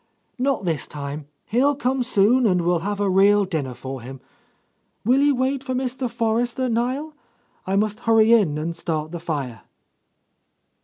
"Not this time. He'll come soon, and we'll have a real dinner for him. Will you wait for Mr. Forrester, Niel? I must hurry in and start the fire."